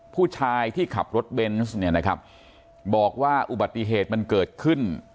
ผู้ชายที่ขับรถเบนส์เนี่ยนะครับบอกว่าอุบัติเหตุมันเกิดขึ้น